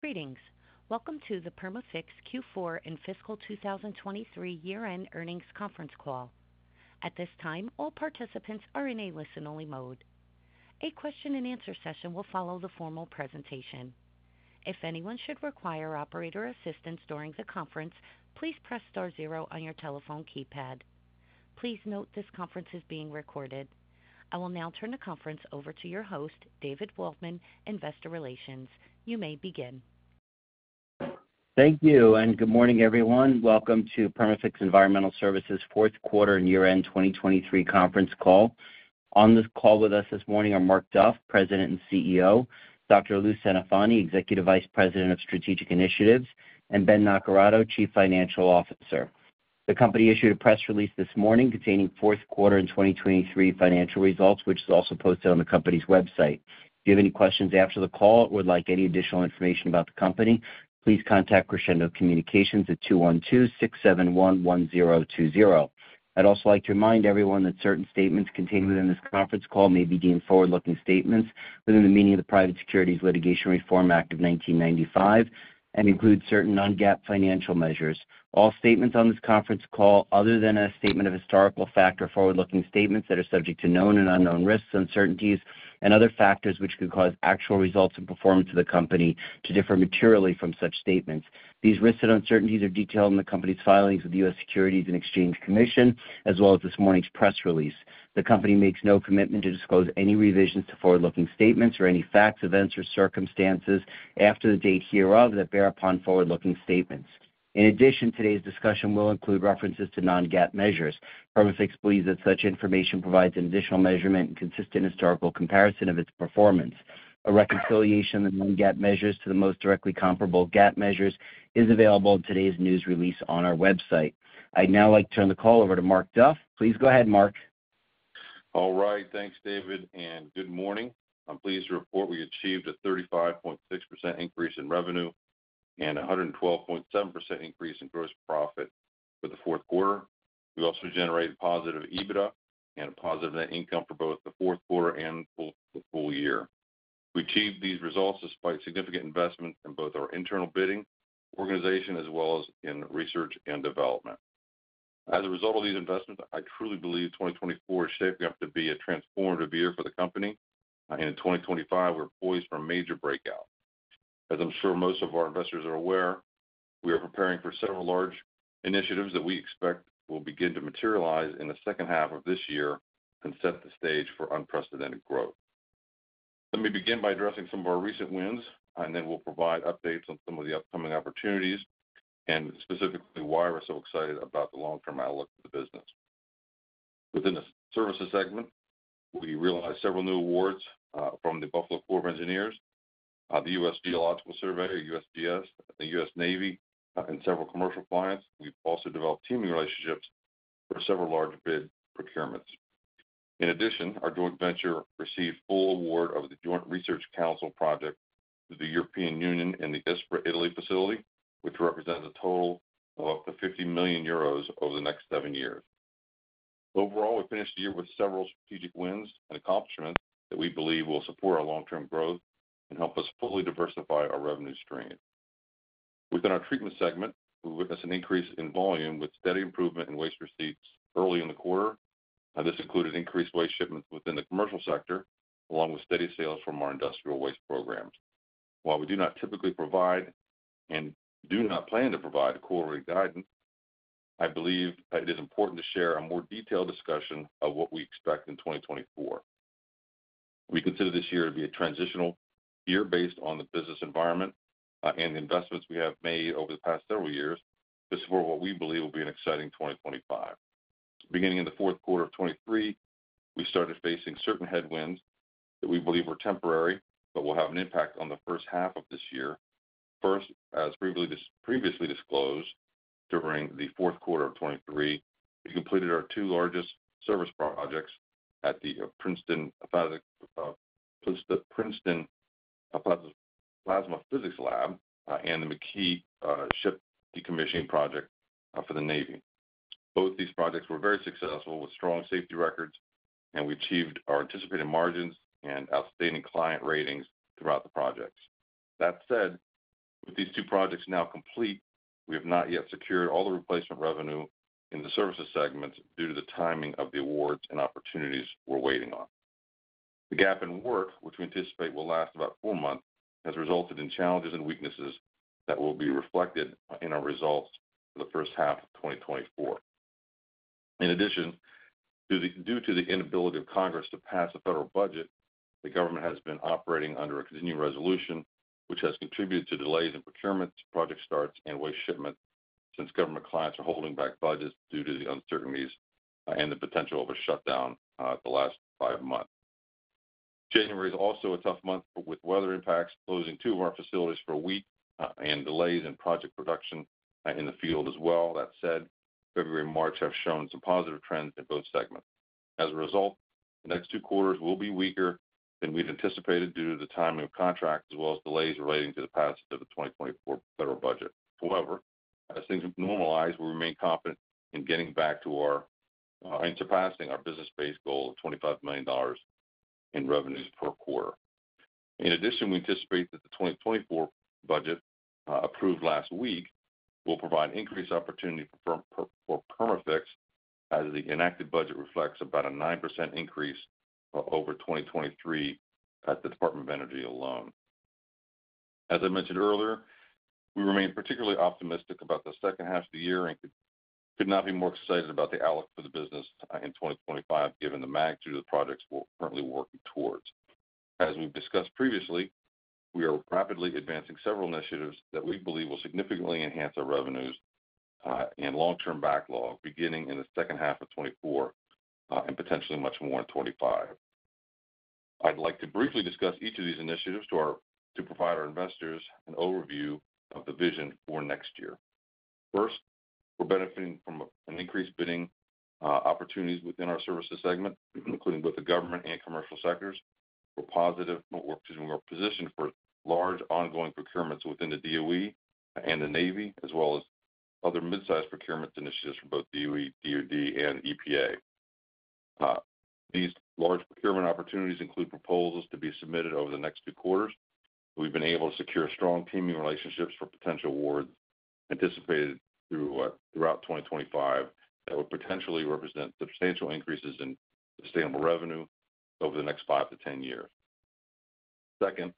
Greetings. Welcome to the Perma-Fix Q4 and Fiscal 2023 Year-End Earnings Conference call. At this time, all participants are in a listen-only mode. A question-and-answer session will follow the formal presentation. If anyone should require operator assistance during the conference, please press star zero on your telephone keypad. Please note this conference is being recorded. I will now turn the conference over to your host, David Waldman, Investor Relations. You may begin. Thank you, and good morning, everyone. Welcome to Perma-Fix Environmental Services' fourth quarter and year-end 2023 conference call. On this call with us this morning are Mark Duff, President and CEO, Dr. Louis Centofanti, Executive Vice President of Strategic Initiatives, and Ben Naccarato, Chief Financial Officer. The company issued a press release this morning containing fourth quarter and 2023 financial results, which is also posted on the company's website. If you have any questions after the call or would like any additional information about the company, please contact Crescendo Communications at 212-671-1020. I'd also like to remind everyone that certain statements contained within this conference call may be deemed forward-looking statements within the meaning of the Private Securities Litigation Reform Act of 1995 and include certain non-GAAP financial measures. All statements on this conference call, other than a statement of historical fact or forward-looking statements that are subject to known and unknown risks, uncertainties, and other factors which could cause actual results and performance of the company to differ materially from such statements. These risks and uncertainties are detailed in the company's filings with the U.S. Securities and Exchange Commission, as well as this morning's press release. The company makes no commitment to disclose any revisions to forward-looking statements or any facts, events, or circumstances after the date hereof that bear upon forward-looking statements. In addition, today's discussion will include references to non-GAAP measures. Perma-Fix believes that such information provides an additional measurement and consistent historical comparison of its performance. A reconciliation of the non-GAAP measures to the most directly comparable GAAP measures is available in today's news release on our website. I'd now like to turn the call over to Mark Duff. Please go ahead, Mark. All right. Thanks, David, and good morning. I'm pleased to report we achieved a 35.6% increase in revenue and a 112.7% increase in gross profit for the fourth quarter. We also generated positive EBITDA and a positive net income for both the fourth quarter and the full year. We achieved these results despite significant investments in both our internal bidding organization as well as in research and development. As a result of these investments, I truly believe 2024 is shaping up to be a transformative year for the company, and in 2025, we're poised for a major breakout. As I'm sure most of our investors are aware, we are preparing for several large initiatives that we expect will begin to materialize in the second half of this year and set the stage for unprecedented growth. Let me begin by addressing some of our recent wins, and then we'll provide updates on some of the upcoming opportunities and specifically why we're so excited about the long-term outlook for the business. Within the services segment, we realized several new awards from the U.S. Army Corps of Engineers, the U.S. Geological Survey, USGS, the U.S. Navy, and several commercial clients. We've also developed teaming relationships for several large bid procurements. In addition, our joint venture received full award of the Joint Research Centre project to the European Union in the Ispra, Italy facility, which represents a total of up to 50 million euros over the next seven years. Overall, we finished the year with several strategic wins and accomplishments that we believe will support our long-term growth and help us fully diversify our revenue stream. Within our treatment segment, we witnessed an increase in volume with steady improvement in waste receipts early in the quarter. This included increased waste shipments within the commercial sector along with steady sales from our industrial waste programs. While we do not typically provide and do not plan to provide quarterly guidance, I believe it is important to share a more detailed discussion of what we expect in 2024. We consider this year to be a transitional year based on the business environment and the investments we have made over the past several years to support what we believe will be an exciting 2025. Beginning in the fourth quarter of 2023, we started facing certain headwinds that we believe were temporary but will have an impact on the first half of this year. First, as previously disclosed, during the fourth quarter of 2023, we completed our 2 largest service projects at the Princeton Plasma Physics Lab and the McKee Ship Decommissioning Project for the Navy. Both these projects were very successful with strong safety records, and we achieved our anticipated margins and outstanding client ratings throughout the projects. That said, with these 2 projects now complete, we have not yet secured all the replacement revenue in the services segments due to the timing of the awards and opportunities we're waiting on. The gap in work, which we anticipate will last about 4 months, has resulted in challenges and weaknesses that will be reflected in our results for the first half of 2024. In addition, due to the inability of Congress to pass a federal budget, the government has been operating under a continuing resolution, which has contributed to delays in procurement, project starts, and waste shipment since government clients are holding back budgets due to the uncertainties and the potential of a shutdown the last five months. January is also a tough month with weather impacts, closing two of our facilities for a week, and delays in project production in the field as well. That said, February and March have shown some positive trends in both segments. As a result, the next two quarters will be weaker than we'd anticipated due to the timing of contracts as well as delays relating to the passage of the 2024 federal budget. However, as things normalize, we remain confident in getting back to our and surpassing our business-based goal of $25 million in revenues per quarter. In addition, we anticipate that the 2024 budget approved last week will provide increased opportunity for Perma-Fix as the enacted budget reflects about a 9% increase over 2023 at the Department of Energy alone. As I mentioned earlier, we remain particularly optimistic about the second half of the year and could not be more excited about the outlook for the business in 2025 given the magnitude of the projects we're currently working towards. As we've discussed previously, we are rapidly advancing several initiatives that we believe will significantly enhance our revenues and long-term backlog beginning in the second half of 2024 and potentially much more in 2025. I'd like to briefly discuss each of these initiatives to provide our investors an overview of the vision for next year. First, we're benefiting from an increased bidding opportunities within our services segment, including both the government and commercial sectors. We're positioned for large ongoing procurements within the DOE and the Navy, as well as other midsize procurement initiatives from both DOE, DOD, and EPA. These large procurement opportunities include proposals to be submitted over the next two quarters. We've been able to secure strong teaming relationships for potential awards anticipated throughout 2025 that would potentially represent substantial increases in sustainable revenue over the next five to 10 years. Second,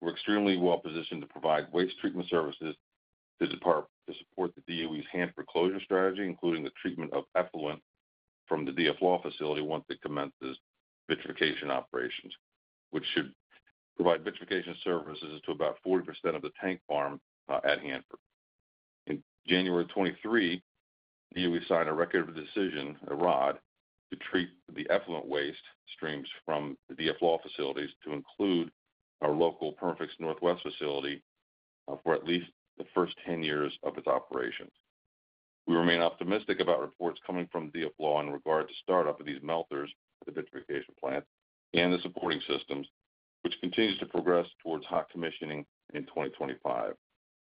we're extremely well positioned to provide waste treatment services to support the DOE's Hanford closure strategy, including the treatment of effluent from the DFLAW facility once it commences vitrification operations, which should provide vitrification services to about 40% of the tank farm at Hanford. In January of 2023, the DOE signed a record of a decision, a ROD, to treat the effluent waste streams from the DFLAW facilities to include our local Perma-Fix Northwest facility for at least the first 10 years of its operations. We remain optimistic about reports coming from DFLAW in regard to startup of these melters at the vitrification plant and the supporting systems, which continues to progress towards hot commissioning in 2025.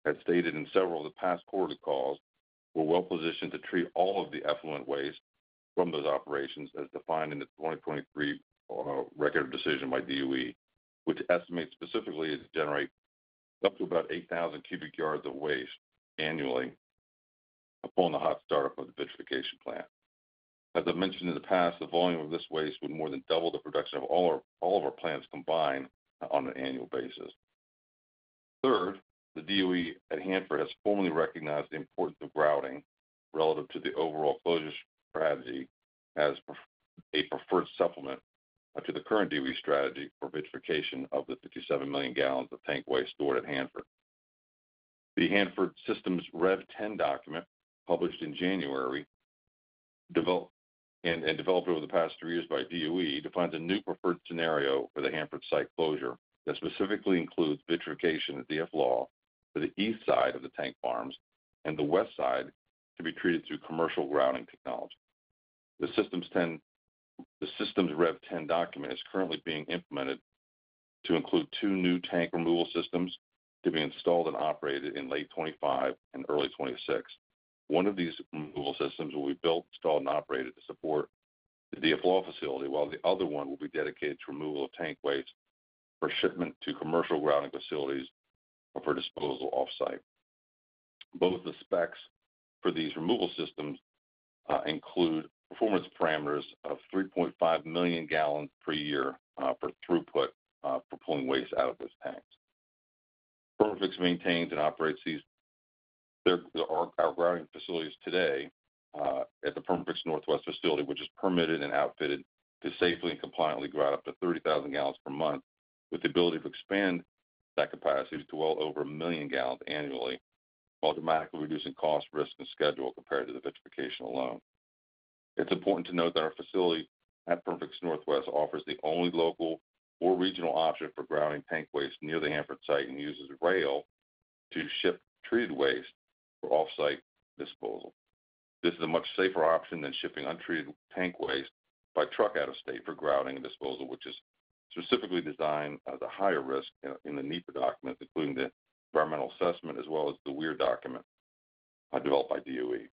As stated in several of the past quarterly calls, we're well positioned to treat all of the effluent waste from those operations as defined in the 2023 Record of Decision by DOE, which estimates specifically it generates up to about 8,000 cubic yards of waste annually upon the hot startup of the vitrification plant. As I've mentioned in the past, the volume of this waste would more than double the production of all of our plants combined on an annual basis. Third, the DOE at Hanford has formally recognized the importance of grouting relative to the overall closure strategy as a preferred supplement to the current DOE strategy for vitrification of the 57 million gallons of tank waste stored at Hanford. The Hanford Systems Rev 10 document published in January and developed over the past three years by DOE defines a new preferred scenario for the Hanford site closure that specifically includes vitrification at DFLAW for the east side of the tank farms and the west side to be treated through commercial grouting technology. The Systems Rev 10 document is currently being implemented to include two new tank removal systems to be installed and operated in late 2025 and early 2026. One of these removal systems will be built, installed, and operated to support the DFLAW facility, while the other one will be dedicated to removal of tank waste for shipment to commercial grouting facilities or for disposal off-site. Both the specs for these removal systems include performance parameters of 3.5 million gallons per year for throughput for pulling waste out of those tanks. Perma-Fix maintains and operates our grouting facilities today at the Perma-Fix Northwest facility, which is permitted and outfitted to safely and compliantly grout up to 30,000 gallons per month with the ability to expand that capacity to well over 1 million gallons annually while dramatically reducing cost, risk, and schedule compared to the vitrification alone. It's important to note that our facility at Perma-Fix Northwest offers the only local or regional option for grouting tank waste near the Hanford site and uses rail to ship treated waste for off-site disposal. This is a much safer option than shipping untreated tank waste by truck out of state for grouting and disposal, which is specifically designed as a higher risk in the NEPA documents, including the environmental assessment as well as the WIR document developed by DOE.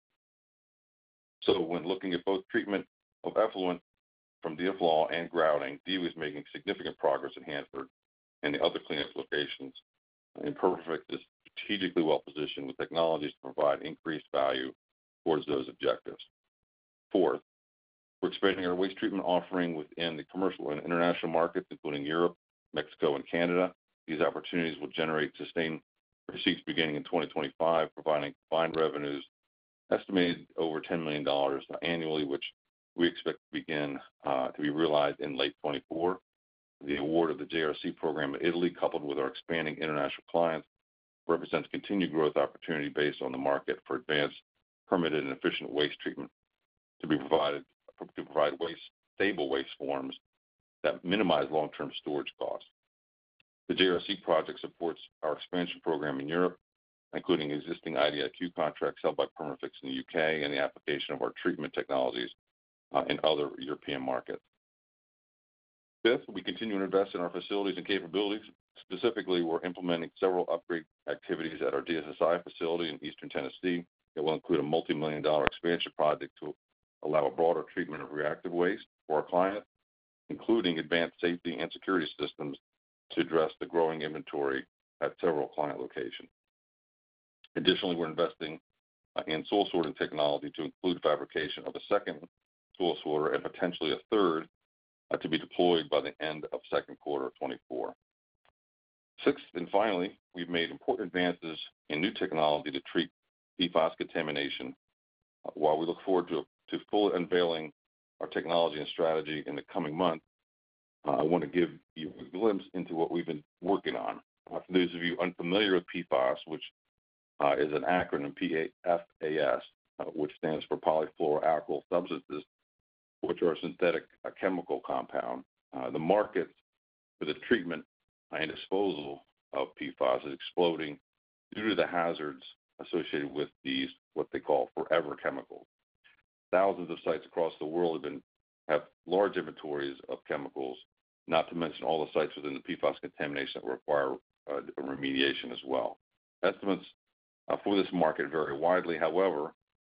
When looking at both treatment of effluent from DFLAW and grouting, DOE is making significant progress at Hanford and the other cleanup locations. Perma-Fix is strategically well positioned with technologies to provide increased value towards those objectives. Fourth, we're expanding our waste treatment offering within the commercial and international markets, including Europe, Mexico, and Canada. These opportunities will generate sustained receipts beginning in 2025, providing combined revenues estimated over $10 million annually, which we expect to begin to be realized in late 2024. The award of the JRC program in Italy, coupled with our expanding international clients, represents continued growth opportunity based on the market for advanced, permitted, and efficient waste treatment to provide stable waste forms that minimize long-term storage costs. The JRC project supports our expansion program in Europe, including existing IDIQ contracts held by Perma-Fix in the UK and the application of our treatment technologies in other European markets. Fifth, we continue to invest in our facilities and capabilities. Specifically, we're implementing several upgrade activities at our DSSI facility in Eastern Tennessee that will include a multimillion-dollar expansion project to allow a broader treatment of reactive waste for our clients, including advanced safety and security systems to address the growing inventory at several client locations. Additionally, we're investing in soil-sorting technology to include fabrication of a second soil sorter and potentially a third to be deployed by the end of second quarter of 2024. Sixth, and finally, we've made important advances in new technology to treat PFAS contamination. While we look forward to fully unveiling our technology and strategy in the coming months, I want to give you a glimpse into what we've been working on. For those of you unfamiliar with PFAS, which is an acronym, P-F-A-S, which stands for Polyfluoroalkyl Substances, which are a synthetic chemical compound, the market for the treatment and disposal of PFAS is exploding due to the hazards associated with these, what they call, forever chemicals. Thousands of sites across the world have large inventories of chemicals, not to mention all the sites within the PFAS contamination that require remediation as well. Estimates for this market vary widely. However,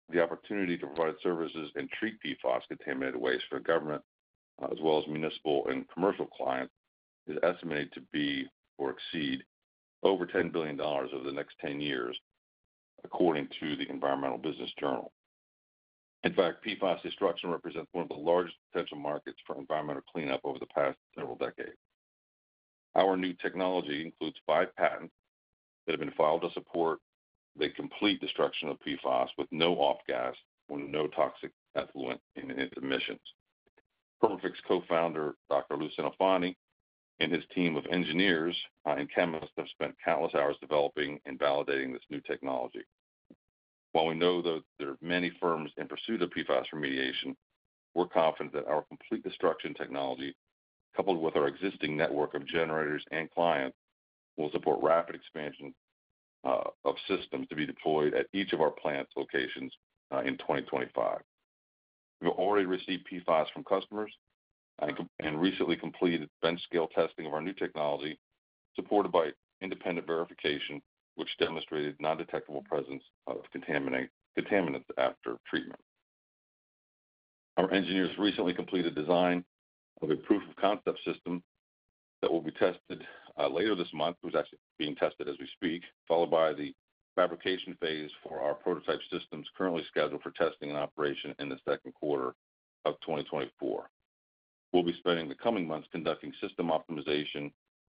the opportunity to provide services and treat PFAS-contaminated waste for government as well as municipal and commercial clients is estimated to be or exceed over $10 billion over the next 10 years, according to the Environmental Business Journal. In fact, PFAS destruction represents one of the largest potential markets for environmental cleanup over the past several decades. Our new technology includes five patents that have been filed to support the complete destruction of PFAS with no off-gas or no toxic effluent in its emissions. Perma-Fix co-founder, Dr. Louis Centofanti, and his team of engineers and chemists have spent countless hours developing and validating this new technology. While we know that there are many firms in pursuit of PFAS remediation, we're confident that our complete destruction technology, coupled with our existing network of generators and clients, will support rapid expansion of systems to be deployed at each of our plant locations in 2025. We've already received PFAS from customers and recently completed bench-scale testing of our new technology supported by independent verification, which demonstrated non-detectable presence of contaminants after treatment. Our engineers recently completed design of a proof-of-concept system that will be tested later this month, which is actually being tested as we speak, followed by the fabrication phase for our prototype systems currently scheduled for testing and operation in the second quarter of 2024. We'll be spending the coming months conducting system optimization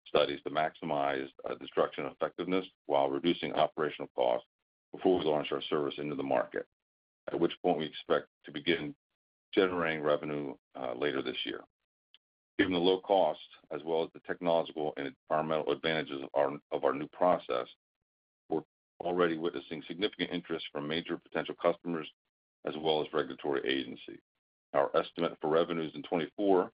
studies to maximize destruction effectiveness while reducing operational costs before we launch our service into the market, at which point we expect to begin generating revenue later this year. Given the low cost as well as the technological and environmental advantages of our new process, we're already witnessing significant interest from major potential customers as well as regulatory agencies. Our estimate for revenues in 2024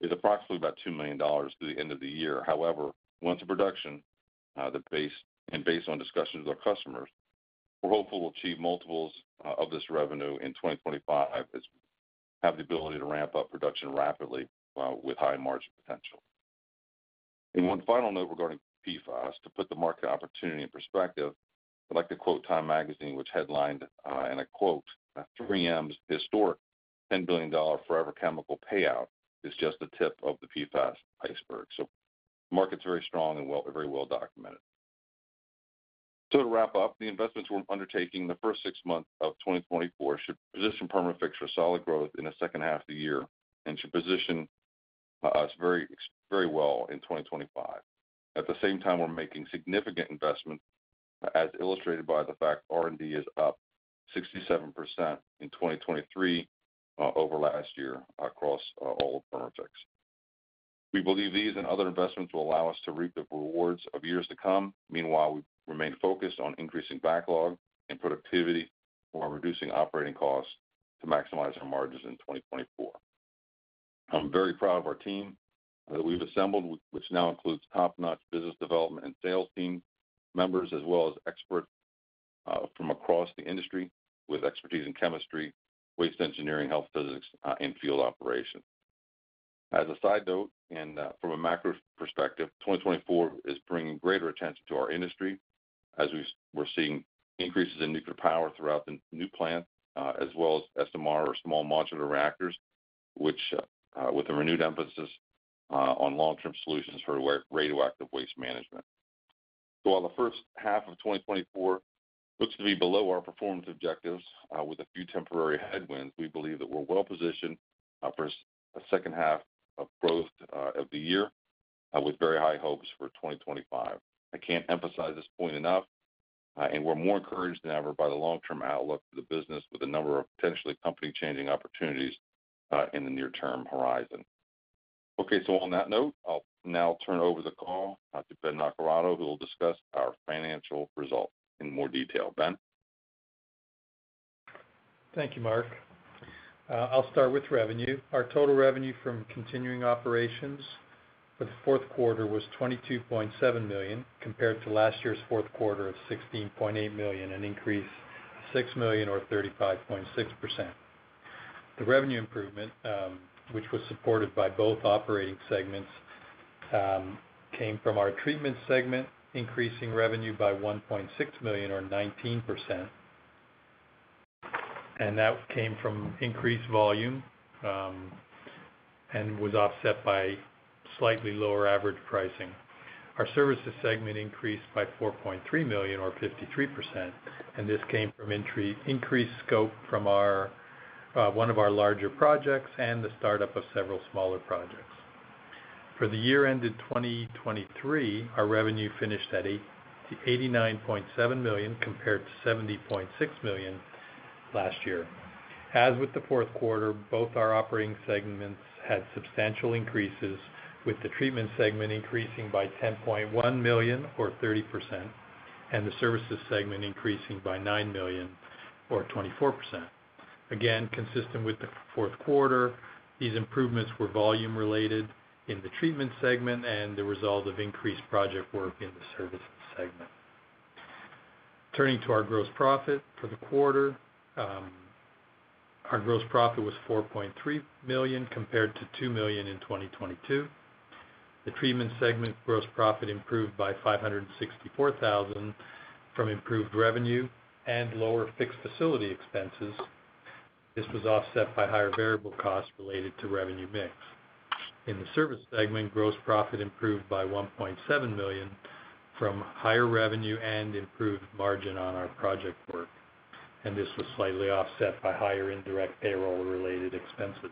is approximately about $2 million through the end of the year. However, once in production and based on discussions with our customers, we're hopeful we'll achieve multiples of this revenue in 2025 as we have the ability to ramp up production rapidly with high margin potential. In one final note regarding PFAS, to put the market opportunity in perspective, I'd like to quote Time Magazine, which headlined in a quote, "3M's historic $10 billion forever chemical payout is just the tip of the PFAS iceberg." So the market's very strong and very well documented. So to wrap up, the investments we're undertaking in the first six months of 2024 should position Perma-Fix for solid growth in the second half of the year and should position us very well in 2025. At the same time, we're making significant investments as illustrated by the fact R&D is up 67% in 2023 over last year across all of Perma-Fix. We believe these and other investments will allow us to reap the rewards of years to come. Meanwhile, we remain focused on increasing backlog and productivity while reducing operating costs to maximize our margins in 2024. I'm very proud of our team that we've assembled, which now includes top-notch business development and sales team members as well as experts from across the industry with expertise in chemistry, waste engineering, health physics, and field operations. As a side note, and from a macro perspective, 2024 is bringing greater attention to our industry as we're seeing increases in nuclear power throughout the new plant as well as SMR or small modular reactors, with a renewed emphasis on long-term solutions for radioactive waste management. So while the first half of 2024 looks to be below our performance objectives with a few temporary headwinds, we believe that we're well positioned for a second half of growth of the year with very high hopes for 2025. I can't emphasize this point enough, and we're more encouraged than ever by the long-term outlook for the business with a number of potentially company-changing opportunities in the near-term horizon. Okay. So on that note, I'll now turn over the call to Ben Naccarato, who will discuss our financial results in more detail. Ben? Thank you, Mark. I'll start with revenue. Our total revenue from continuing operations for the fourth quarter was $22.7 million compared to last year's fourth quarter of $16.8 million, an increase of $6 million or 35.6%. The revenue improvement, which was supported by both operating segments, came from our treatment segment increasing revenue by $1.6 million or 19%, and that came from increased volume and was offset by slightly lower average pricing. Our services segment increased by $4.3 million or 53%, and this came from increased scope from one of our larger projects and the startup of several smaller projects. For the year ended 2023, our revenue finished at $89.7 million compared to $70.6 million last year. As with the fourth quarter, both our operating segments had substantial increases, with the treatment segment increasing by $10.1 million or 30% and the services segment increasing by $9 million or 24%. Again, consistent with the fourth quarter, these improvements were volume-related in the treatment segment and the result of increased project work in the services segment. Turning to our gross profit for the quarter, our gross profit was $4.3 million compared to $2 million in 2022. The treatment segment gross profit improved by $564,000 from improved revenue and lower fixed facility expenses. This was offset by higher variable costs related to revenue mix. In the service segment, gross profit improved by $1.7 million from higher revenue and improved margin on our project work, and this was slightly offset by higher indirect payroll-related expenses.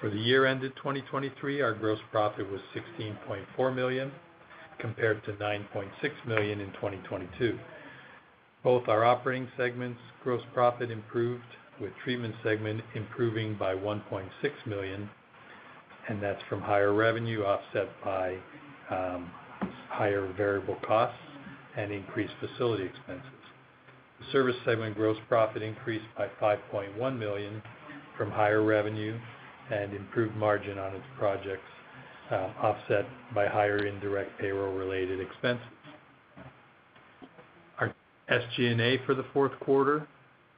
For the year ended 2023, our gross profit was $16.4 million compared to $9.6 million in 2022. Both our operating segments gross profit improved, with treatment segment improving by $1.6 million, and that's from higher revenue offset by higher variable costs and increased facility expenses. The service segment gross profit increased by $5.1 million from higher revenue and improved margin on its projects, offset by higher indirect payroll-related expenses. Our SG&A for the fourth quarter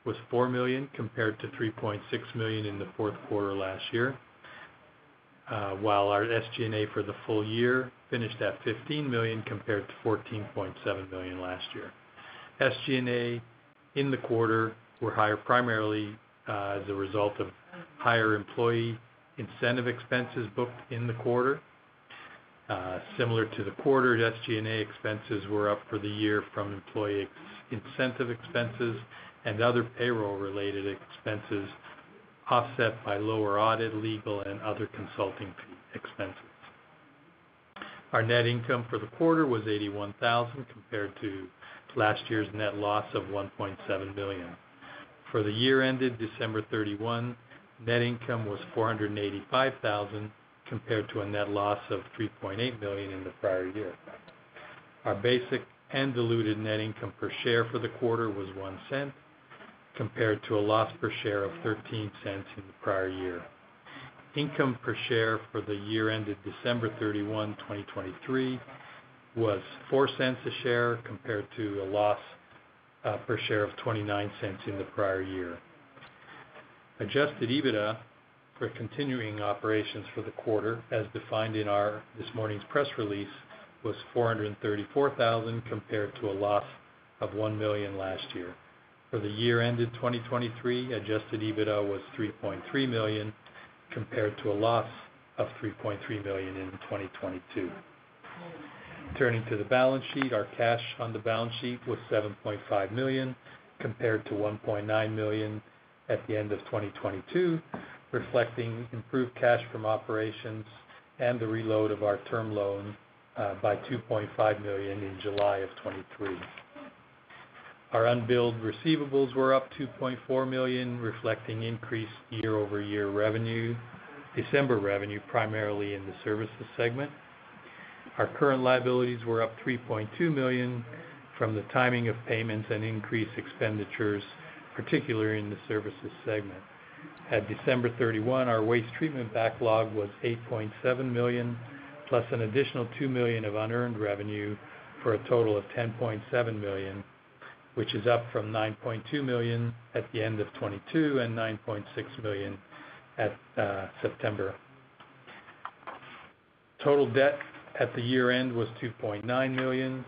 was $4 million compared to $3.6 million in the fourth quarter last year, while our SG&A for the full year finished at $15 million compared to $14.7 million last year. SG&A in the quarter were higher primarily as a result of higher employee incentive expenses booked in the quarter. Similar to the quarter, SG&A expenses were up for the year from employee incentive expenses and other payroll-related expenses offset by lower audit, legal, and other consulting fee expenses. Our net income for the quarter was $81,000 compared to last year's net loss of $1.7 million. For the year ended December 31, 2023, net income was $485,000 compared to a net loss of $3.8 million in the prior year. Our basic and diluted net income per share for the quarter was $0.01 compared to a loss per share of $0.13 in the prior year. Income per share for the year ended December 31, 2023, was $0.04 a share compared to a loss per share of $0.29 in the prior year. Adjusted EBITDA for continuing operations for the quarter, as defined in this morning's press release, was $434,000 compared to a loss of $1 million last year. For the year ended 2023, adjusted EBITDA was $3.3 million compared to a loss of $3.3 million in 2022. Turning to the balance sheet, our cash on the balance sheet was $7.5 million compared to $1.9 million at the end of 2022, reflecting improved cash from operations and the reload of our term loan by $2.5 million in July of 2023. Our unbilled receivables were up $2.4 million, reflecting increased year-over-year revenue, December revenue primarily in the services segment. Our current liabilities were up $3.2 million from the timing of payments and increased expenditures, particularly in the services segment. At December 31, 2023, our waste treatment backlog was $8.7 million plus an additional $2 million of unearned revenue for a total of $10.7 million, which is up from $9.2 million at the end of 2022 and $9.6 million in September. Total debt at the year end was $2.9 million,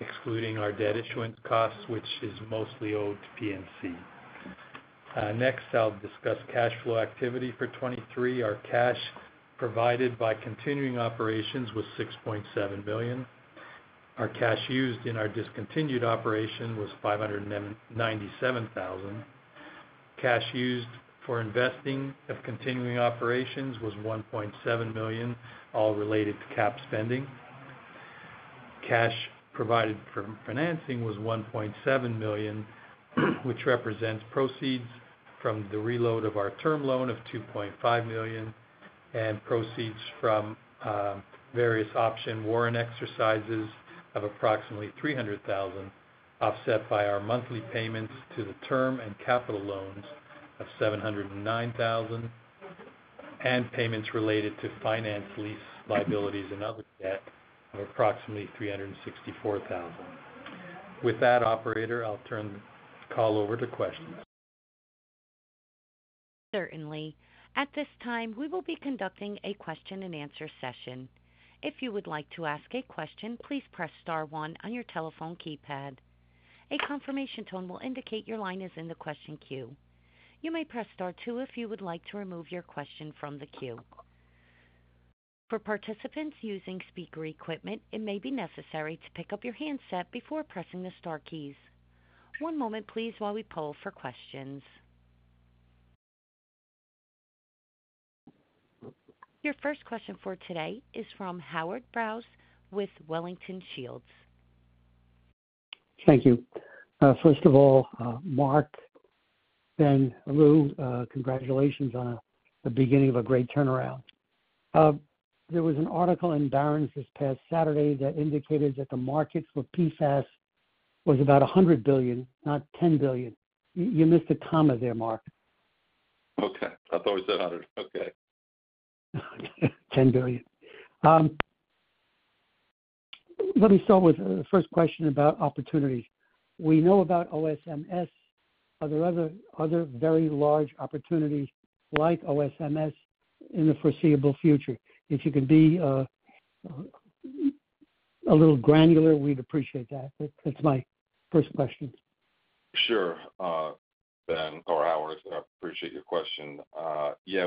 excluding our debt issuance costs, which is mostly owed to PNC. Next, I'll discuss cash flow activity for 2023. Our cash provided by continuing operations was $6.7 million. Our cash used in our discontinued operation was $597,000. Cash used for investing of continuing operations was $1.7 million, all related to CapEx spending. Cash provided for financing was $1.7 million, which represents proceeds from the reload of our term loan of $2.5 million and proceeds from various option warrant exercises of approximately $300,000, offset by our monthly payments to the term and capital loans of $709,000, and payments related to finance, lease liabilities, and other debt of approximately $364,000. With that, operator, I'll turn the call over to questions. Certainly. At this time, we will be conducting a question-and-answer session. If you would like to ask a question, please press star one on your telephone keypad. A confirmation tone will indicate your line is in the question queue. You may press star two if you would like to remove your question from the queue. For participants using speaker equipment, it may be necessary to pick up your handset before pressing the star keys. One moment, please, while we pull for questions. Your first question for today is from Howard Brous with Wellington Shields. Thank you. First of all, Mark, Ben, Lou, congratulations on the beginning of a great turnaround. There was an article in Barron's this past Saturday that indicated that the market for PFAS was about $100 billion, not $10 billion. You missed the comma there, Mark. Okay. I thought we said 100. Okay. $10 billion. Let me start with the first question about opportunities. We know about OSMS. Are there other very large opportunities like OSMS in the foreseeable future? If you could be a little granular, we'd appreciate that. That's my first question. Sure, Ben or Howard. I appreciate your question. Yeah,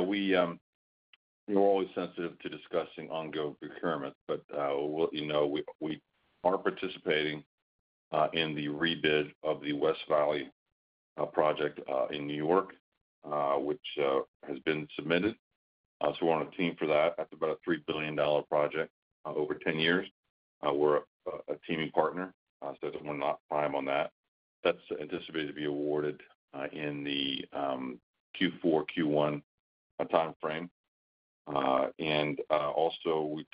we're always sensitive to discussing ongoing procurement, but we'll let you know we are participating in the rebid of the West Valley project in New York, which has been submitted. So we're on a team for that. That's about a $3 billion project over 10 years. We're a teaming partner, so we're not prime on that. That's anticipated to be awarded in the Q4, Q1 timeframe. And also, we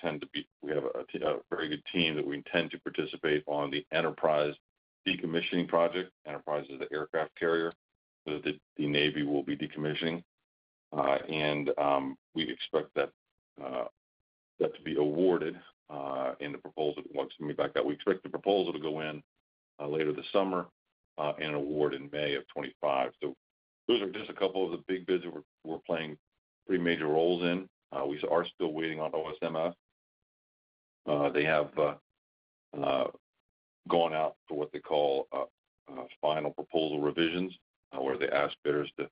have a very good team that we intend to participate on the Enterprise decommissioning project. Enterprise is the aircraft carrier that the Navy will be decommissioning. And we expect that to be awarded in the proposal that wants to be back out. We expect the proposal to go in later this summer and an award in May of 2025. So those are just a couple of the big bids that we're playing pretty major roles in. We are still waiting on OSMS. They have gone out for what they call final proposal revisions, where they ask bidders to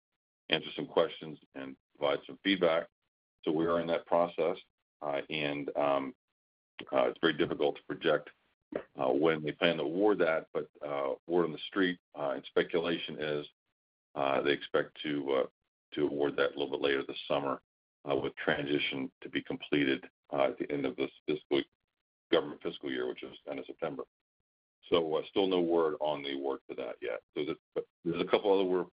answer some questions and provide some feedback. So we are in that process. And it's very difficult to project when they plan to award that, but word on the street and speculation is they expect to award that a little bit later this summer with transition to be completed at the end of this fiscal year, which is end of September. So still no word on the award for that yet. But there's a couple other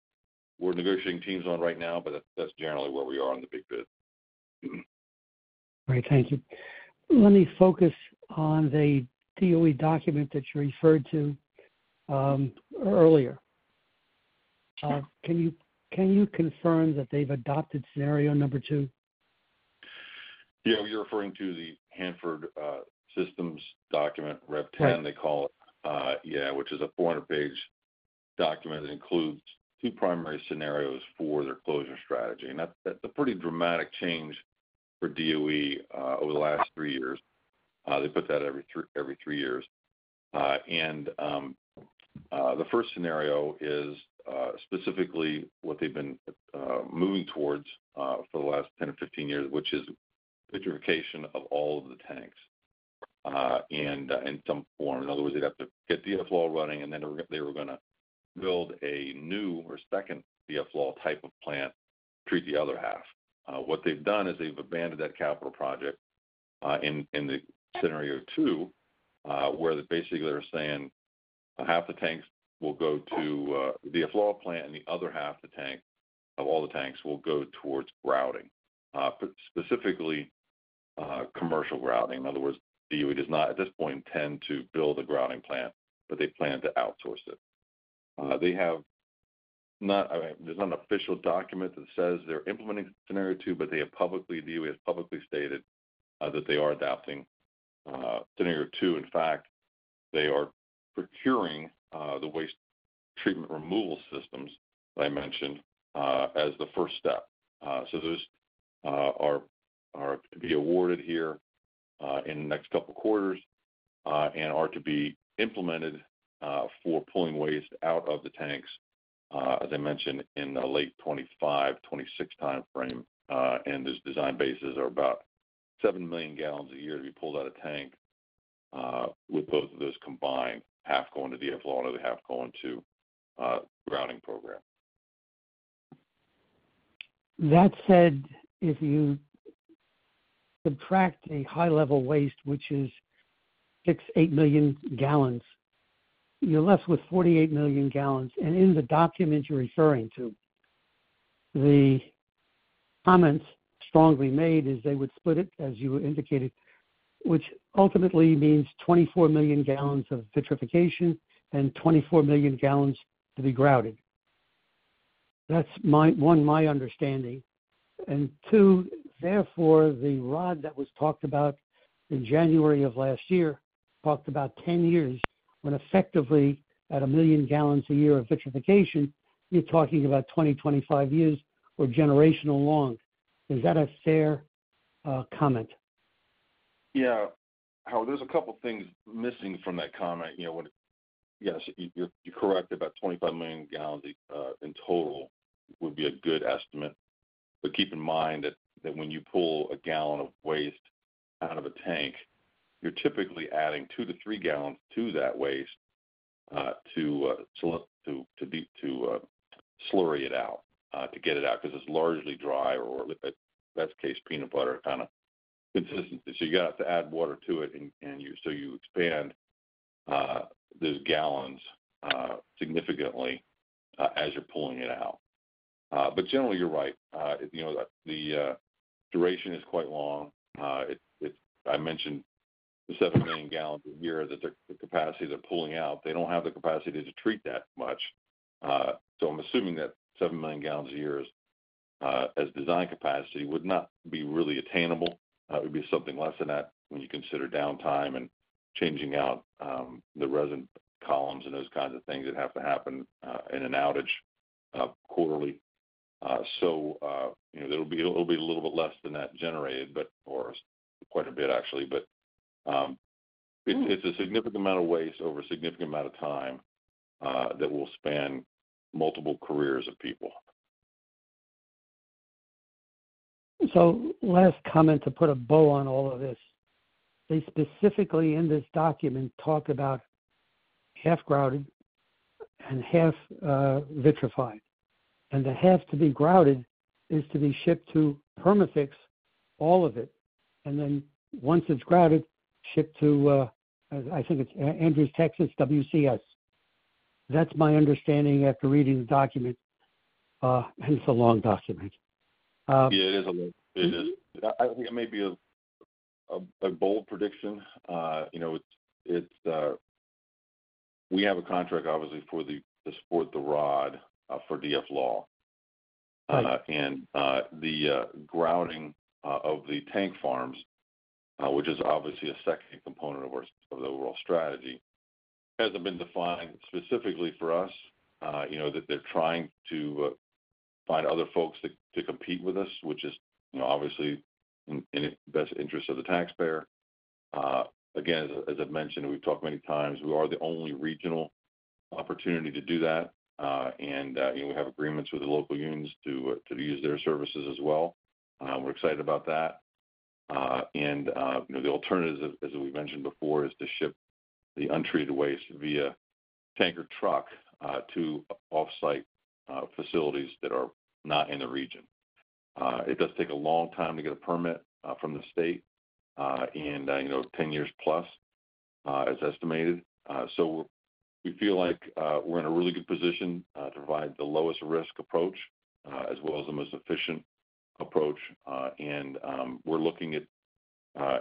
we're negotiating teams on right now, but that's generally where we are on the big bids. Great. Thank you. Let me focus on the DOE document that you referred to earlier. Can you confirm that they've adopted scenario number two? Yeah. You're referring to the Hanford Systems document, Rev. 10, they call it, yeah, which is a 400-page document that includes two primary scenarios for their closure strategy. And that's a pretty dramatic change for DOE over the last three years. They put that every three years. And the first scenario is specifically what they've been moving towards for the last 10 or 15 years, which is vitrification of all of the tanks in some form. In other words, they'd have to get DFLAW running, and then they were going to build a new or second DFLAW type of plant to treat the other half. What they've done is they've abandoned that capital project in the scenario two, where basically they're saying half the tanks will go to DFLAW plant, and the other half of all the tanks will go towards grouting, specifically commercial grouting. In other words, DOE does not, at this point, intend to build a grouting plant, but they plan to outsource it. There's not an official document that says they're implementing scenario two, but DOE has publicly stated that they are adopting scenario two. In fact, they are procuring the waste treatment removal systems that I mentioned as the first step. So those are to be awarded here in the next couple of quarters and are to be implemented for pulling waste out of the tanks, as I mentioned, in the late 2025, 2026 timeframe. And those design bases are about 7 million gallons a year to be pulled out of tank with both of those combined, half going to DFLAW and the other half going to grouting program. That said, if you subtract high-level waste, which is 6-8 million gallons, you're left with 48 million gallons. And in the document you're referring to, the comments strongly made is they would split it, as you indicated, which ultimately means 24 million gallons of vitrification and 24 million gallons to be grouted. That's, one, my understanding. And two, therefore, the ROD that was talked about in January of last year talked about 10 years. When effectively, at a million gallons a year of vitrification, you're talking about 20-25 years or generational long. Is that a fair comment? Yeah. Howard, there's a couple of things missing from that comment. Yes, you're correct. About 25 million gallons in total would be a good estimate. But keep in mind that when you pull a gallon of waste out of a tank, you're typically adding 2-3 gallons to that waste to slurry it out, to get it out because it's largely dry or, best case, peanut butter kind of consistency. So you got to add water to it, and so you expand those gallons significantly as you're pulling it out. But generally, you're right. The duration is quite long. I mentioned the 7 million gallons a year that the capacity they're pulling out, they don't have the capacity to treat that much. So I'm assuming that 7 million gallons a year as design capacity would not be really attainable. It would be something less than that when you consider downtime and changing out the resin columns and those kinds of things that have to happen in an outage quarterly. So it'll be a little bit less than that generated, or quite a bit, actually. But it's a significant amount of waste over a significant amount of time that will span multiple careers of people. Last comment to put a bow on all of this. They specifically in this document talk about half grouted and half vitrified. The half to be grouted is to be shipped to Perma-Fix, all of it. Then once it's grouted, shipped to, I think it's Andrews, Texas, WCS. That's my understanding after reading the document. It's a long document. Yeah, it is a long. It is. I think it may be a bold prediction. We have a contract, obviously, to support the ROD for DFLAW. And the grouting of the tank farms, which is obviously a second component of the overall strategy, hasn't been defined specifically for us. They're trying to find other folks to compete with us, which is obviously in the best interest of the taxpayer. Again, as I've mentioned, we've talked many times. We are the only regional opportunity to do that. And we have agreements with the local unions to use their services as well. We're excited about that. And the alternative, as we mentioned before, is to ship the untreated waste via tanker truck to off-site facilities that are not in the region. It does take a long time to get a permit from the state, and 10+ years is estimated. So we feel like we're in a really good position to provide the lowest risk approach as well as the most efficient approach. And we're looking at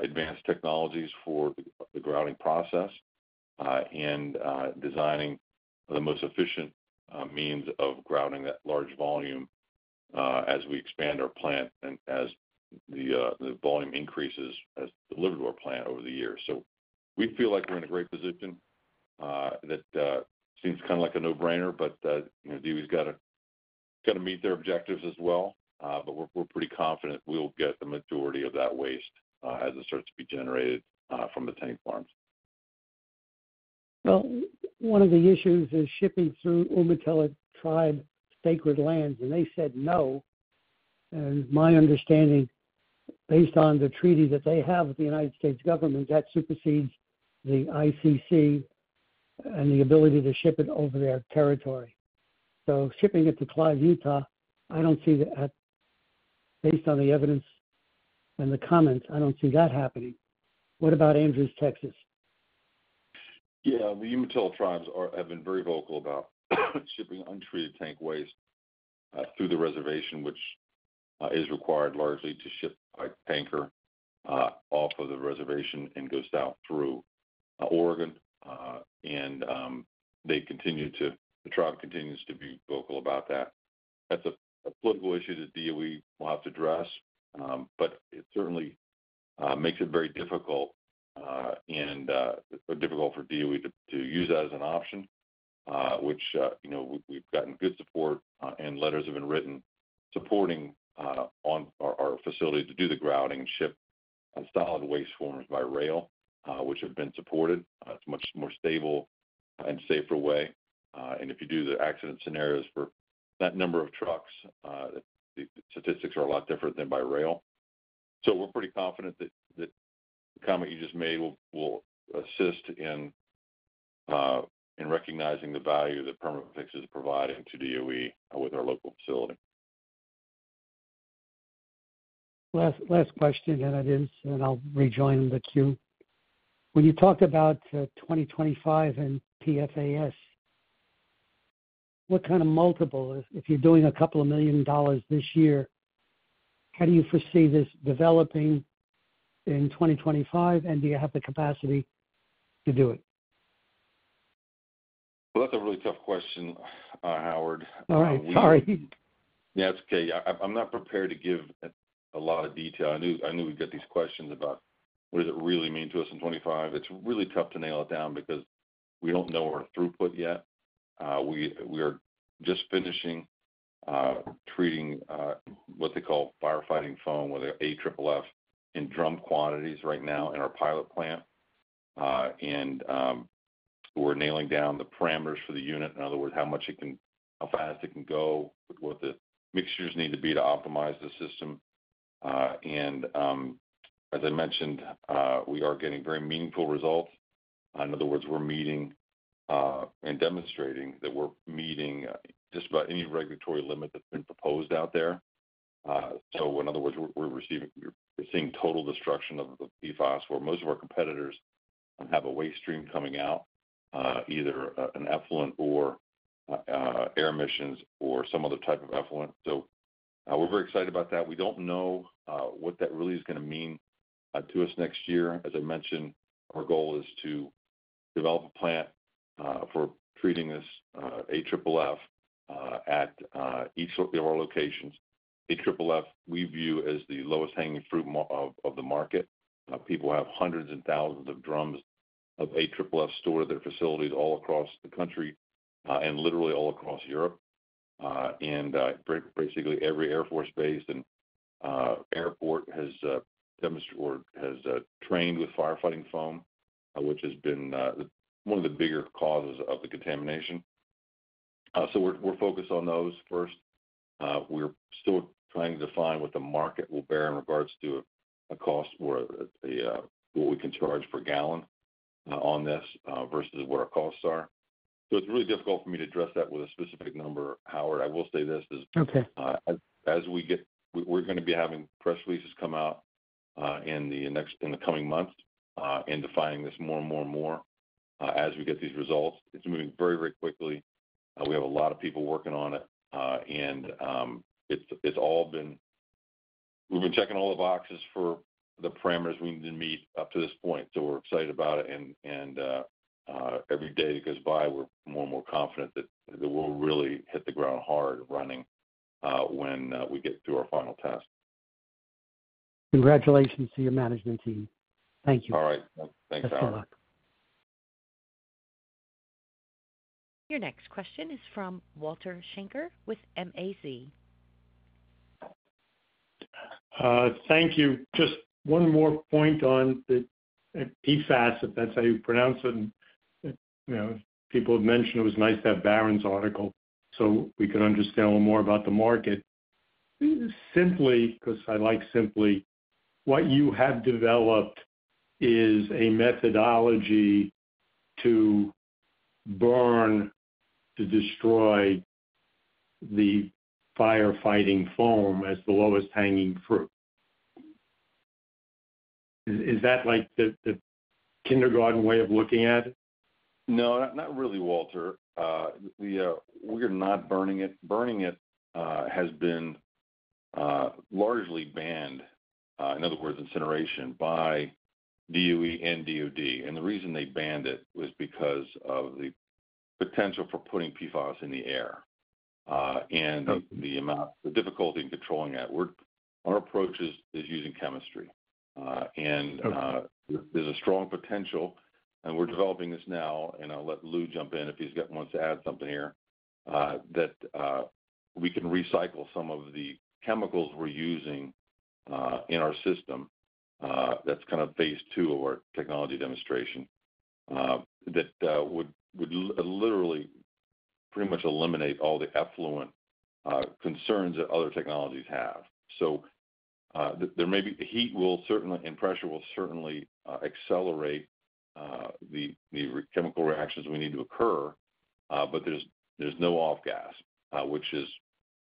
advanced technologies for the grouting process and designing the most efficient means of grouting that large volume as we expand our plant and as the volume increases as delivered to our plant over the years. So we feel like we're in a great position. That seems kind of like a no-brainer, but DOE's got to meet their objectives as well. But we're pretty confident we'll get the majority of that waste as it starts to be generated from the tank farms. Well, one of the issues is shipping through Umatilla Tribe sacred lands. And they said no. And my understanding, based on the treaty that they have with the United States government, that supersedes the ICC and the ability to ship it over their territory. So shipping it to Clive, Utah, I don't see that based on the evidence and the comments, I don't see that happening. What about Andrews, Texas? Yeah. The Umatilla Tribes have been very vocal about shipping untreated tank waste through the reservation, which is required largely to ship by tanker off of the reservation and goes down through Oregon. And the tribe continues to be vocal about that. That's a political issue that DOE will have to address. But it certainly makes it very difficult for DOE to use that as an option, which we've gotten good support and letters have been written supporting our facility to do the grouting and ship solid waste forms by rail, which have been supported. It's a much more stable and safer way. And if you do the accident scenarios for that number of trucks, the statistics are a lot different than by rail. We're pretty confident that the comment you just made will assist in recognizing the value that Perma-Fix is providing to DOE with our local facility. Last question, and I'll rejoin the queue. When you talk about 2025 and PFAS, what kind of multiple, if you're doing a couple of million dollars this year, how do you foresee this developing in 2025, and do you have the capacity to do it? Well, that's a really tough question, Howard. All right. Sorry. Yeah, it's okay. I'm not prepared to give a lot of detail. I knew we'd get these questions about what does it really mean to us in 2025. It's really tough to nail it down because we don't know our throughput yet. We are just finishing treating what they call firefighting foam, whether AFFF, in drum quantities right now in our pilot plant. And we're nailing down the parameters for the unit. In other words, how fast it can go, what the mixtures need to be to optimize the system. And as I mentioned, we are getting very meaningful results. In other words, we're meeting and demonstrating that we're meeting just about any regulatory limit that's been proposed out there. So in other words, we're seeing total destruction of the PFAS, where most of our competitors have a waste stream coming out, either an effluent or air emissions or some other type of effluent. So we're very excited about that. We don't know what that really is going to mean to us next year. As I mentioned, our goal is to develop a plant for treating this AFFF at each of our locations. AFFF, we view as the lowest hanging fruit of the market. People have hundreds and thousands of drums of AFFF stored at their facilities all across the country and literally all across Europe. And basically, every Air Force base and airport has trained with firefighting foam, which has been one of the bigger causes of the contamination. So we're focused on those first. We're still trying to define what the market will bear in regards to a cost or what we can charge per gallon on this versus what our costs are. So it's really difficult for me to address that with a specific number, Howard. I will say this. As we get we're going to be having press releases come out in the coming months and defining this more and more and more as we get these results. It's moving very, very quickly. We have a lot of people working on it. And it's all been we've been checking all the boxes for the parameters we need to meet up to this point. So we're excited about it. And every day that goes by, we're more and more confident that we'll really hit the ground hard running when we get through our final test. Congratulations to your management team. Thank you. All right. Thanks, Howard. Best of luck. Your next question is from Walter Schenker with MAZ. Thank you. Just one more point on the PFAS, if that's how you pronounce it. People have mentioned it was nice to have Barron's article so we could understand a little more about the market. Simply, because I like Simply, what you have developed is a methodology to burn, to destroy the firefighting foam as the lowest hanging fruit. Is that the kindergarten way of looking at it? No, not really, Walter. We are not burning it. Burning it has been largely banned, in other words, incineration by DOE and DOD. And the reason they banned it was because of the potential for putting PFAS in the air and the difficulty in controlling that. Our approach is using chemistry. And there's a strong potential. And we're developing this now. And I'll let Lou jump in if he wants to add something here, that we can recycle some of the chemicals we're using in our system. That's kind of phase two of our technology demonstration, that would literally pretty much eliminate all the effluent concerns that other technologies have. So there may be heat, will certainly and pressure will certainly accelerate the chemical reactions we need to occur. But there's no off-gas, which is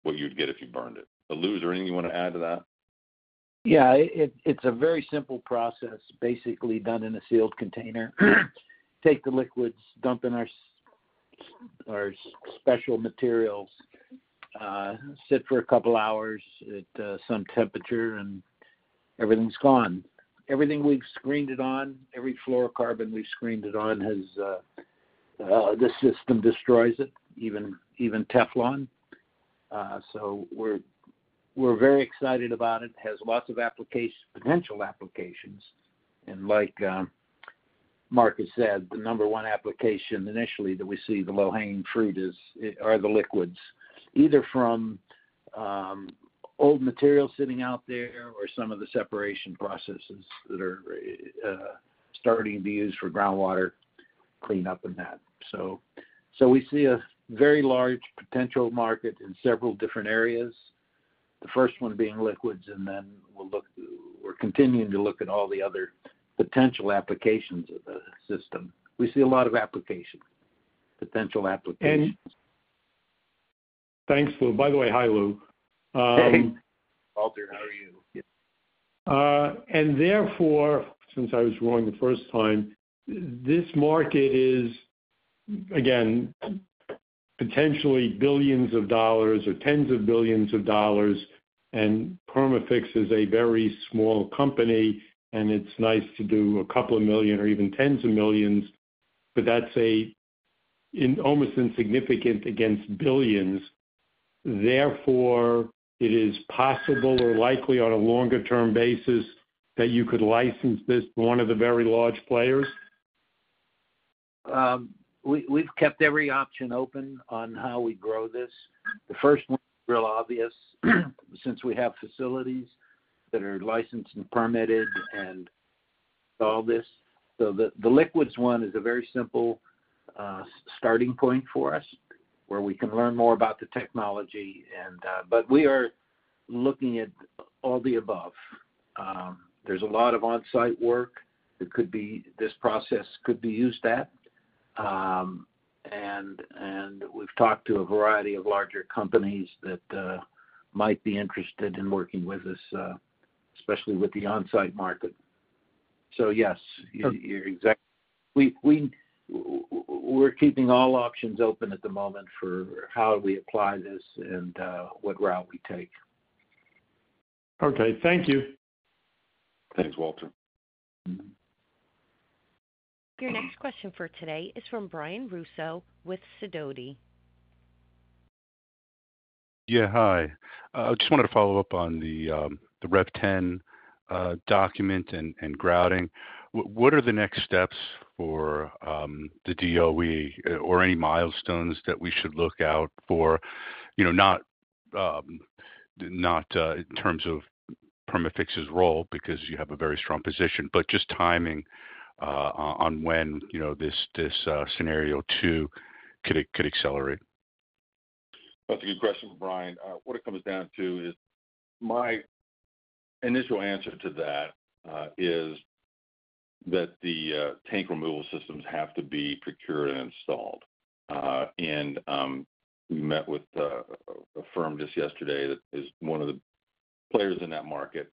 what you'd get if you burned it. Lou, is there anything you want to add to that? Yeah. It's a very simple process, basically done in a sealed container. Take the liquids, dump in our special materials, sit for a couple of hours at some temperature, and everything's gone. Everything we've screened it on, every fluorocarbon we've screened it on, the system destroys it, even Teflon. So we're very excited about it. It has lots of potential applications. And like Mark has said, the number one application initially that we see the low-hanging fruit are the liquids, either from old material sitting out there or some of the separation processes that are starting to be used for groundwater cleanup, and that. So we see a very large potential market in several different areas, the first one being liquids. And then we're continuing to look at all the other potential applications of the system. We see a lot of applications, potential applications. Thanks, Lou. By the way, hi, Lou. Hey, Walter. How are you? Therefore, since I was drawing the first time, this market is, again, potentially billions of dollars or tens of billions of dollars. Perma-Fix is a very small company. It's nice to do a couple of million or even tens of millions. But that's almost insignificant against billions. Therefore, it is possible or likely on a longer-term basis that you could license this to one of the very large players? We've kept every option open on how we grow this. The first one is real obvious since we have facilities that are licensed and permitted and all this. So the liquids one is a very simple starting point for us where we can learn more about the technology. But we are looking at all the above. There's a lot of on-site work. This process could be used that. And we've talked to a variety of larger companies that might be interested in working with us, especially with the on-site market. So yes, we're keeping all options open at the moment for how we apply this and what route we take. Okay. Thank you. Thanks, Walter. Your next question for today is from Brian Russo with Sidoti. Yeah. Hi. I just wanted to follow up on the Rev 10 document and grouting. What are the next steps for the DOE or any milestones that we should look out for, not in terms of Perma-Fix's role because you have a very strong position, but just timing on when this scenario 2 could accelerate? That's a good question, Brian. What it comes down to is my initial answer to that is that the tank removal systems have to be procured and installed. We met with a firm just yesterday that is one of the players in that market.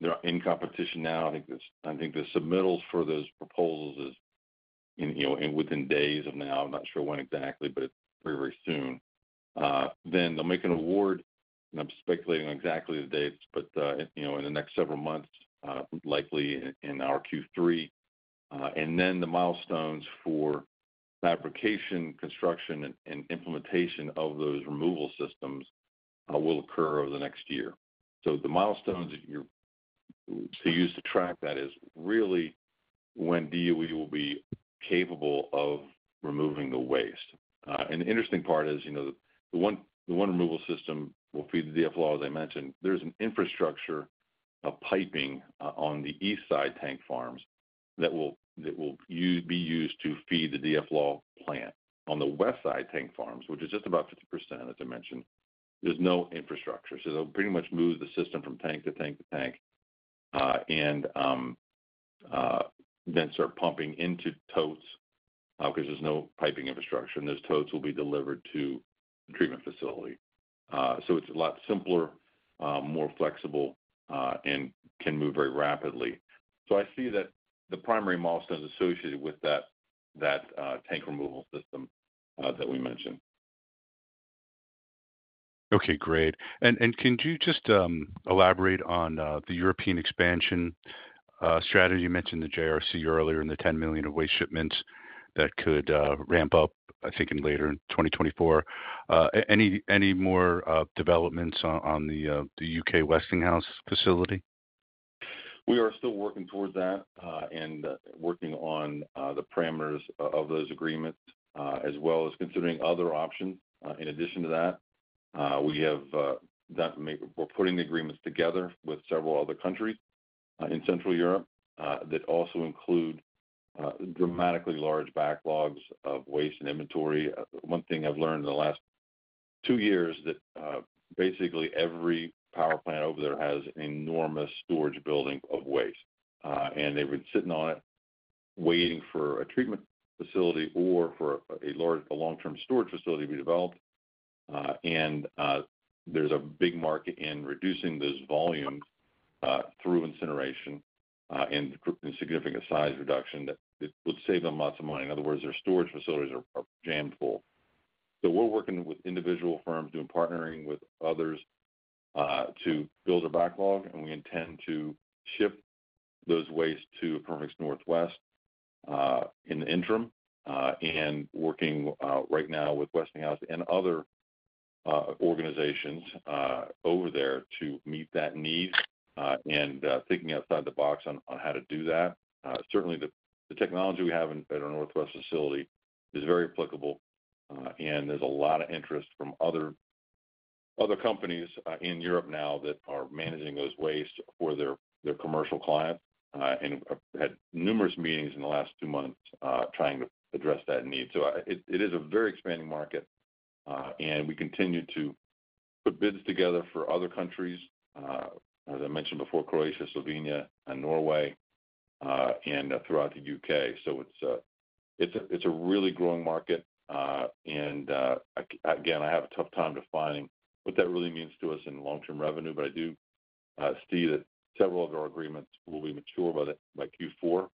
They're in competition now. I think the submittals for those proposals is within days of now. I'm not sure when exactly, but it's very, very soon. Then they'll make an award. I'm speculating on exactly the dates, but in the next several months, likely in our Q3. Then the milestones for fabrication, construction, and implementation of those removal systems will occur over the next year. So the milestones to use to track that is really when DOE will be capable of removing the waste. The interesting part is the one removal system will feed the DFLAW, as I mentioned. There's an infrastructure of piping on the east side tank farms that will be used to feed the DFLAW plant. On the west side tank farms, which is just about 50%, as I mentioned, there's no infrastructure. So they'll pretty much move the system from tank to tank to tank and then start pumping into totes because there's no piping infrastructure. And those totes will be delivered to the treatment facility. So it's a lot simpler, more flexible, and can move very rapidly. So I see that the primary milestones associated with that tank removal system that we mentioned. Okay. Great. And can you just elaborate on the European expansion strategy? You mentioned the JRC earlier and the 10 million of waste shipments that could ramp up, I think, later in 2024. Any more developments on the UK Westinghouse facility? We are still working towards that and working on the parameters of those agreements as well as considering other options in addition to that. We're putting the agreements together with several other countries in Central Europe that also include dramatically large backlogs of waste and inventory. One thing I've learned in the last two years is that basically every power plant over there has an enormous storage building of waste. They've been sitting on it, waiting for a treatment facility or for a long-term storage facility to be developed. There's a big market in reducing those volumes through incineration and significant size reduction that would save them lots of money. In other words, their storage facilities are jammed full. We're working with individual firms, doing partnering with others to build our backlog. We intend to ship those waste to Perma-Fix Northwest in the interim and working right now with Westinghouse and other organizations over there to meet that need and thinking outside the box on how to do that. Certainly, the technology we have at our Northwest facility is very applicable. There's a lot of interest from other companies in Europe now that are managing those waste for their commercial clients and have had numerous meetings in the last two months trying to address that need. It is a very expanding market. We continue to put bids together for other countries, as I mentioned before, Croatia, Slovenia, Norway, and throughout the UK. It's a really growing market. Again, I have a tough time defining what that really means to us in long-term revenue. I do see that several of our agreements will be mature by Q4.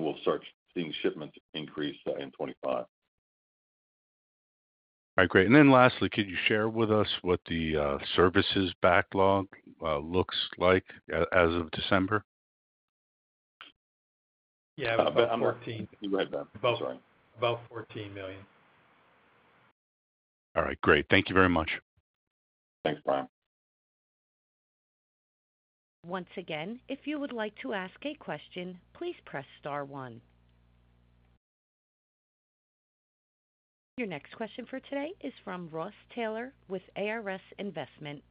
We'll start seeing shipments increase in 2025. All right. Great. Then lastly, could you share with us what the services backlog looks like as of December? Yeah. About 14. You're right, Ben. Sorry. About $14 million. All right. Great. Thank you very much. Thanks, Brian. Once again, if you would like to ask a question, please press star one. Your next question for today is from Ross Taylor with ARS Investment.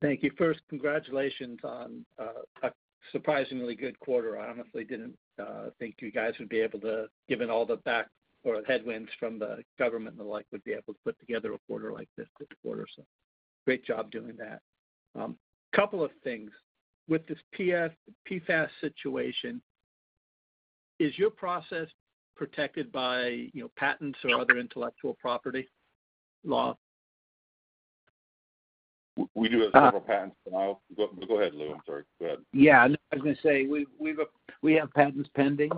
Thank you. First, congratulations on a surprisingly good quarter. I honestly didn't think you guys would be able to, given all the back or headwinds from the government and the like, would be able to put together a quarter like this this quarter. So great job doing that. A couple of things. With this PFAS situation, is your process protected by patents or other intellectual property law? We do have several patents. Go ahead, Lou. I'm sorry. Go ahead. Yeah. I was going to say we have patents pending,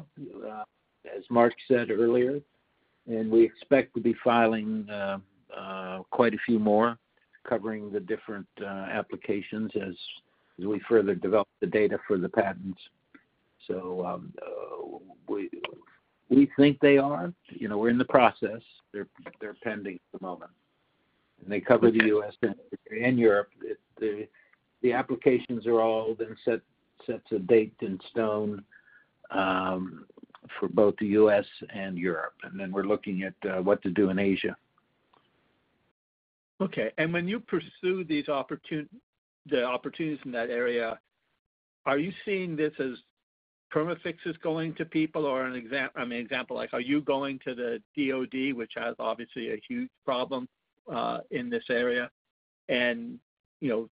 as Mark said earlier. And we expect to be filing quite a few more covering the different applications as we further develop the data for the patents. So we think they are. We're in the process. They're pending at the moment. And they cover the U.S. and Europe. The applications are all then set a date in stone for both the U.S. and Europe. And then we're looking at what to do in Asia. Okay. And when you pursue the opportunities in that area, are you seeing this as Perma-Fix is going to people or an example? I mean, example like, are you going to the DOD, which has obviously a huge problem in this area, and